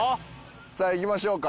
さあいきましょうか。